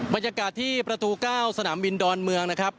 บรรยากาศที่ประตู๙สนามบินดอนเมืองนะครับ